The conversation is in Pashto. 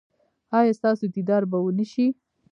ایا ستاسو دیدار به و نه شي؟